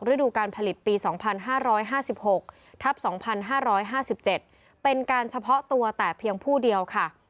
ฤดูการผลิตปี๒๕๕๖ทับ๒๕๕๗เป็นการเฉพาะตัวแต่เพียงผู้เดียวค่ะ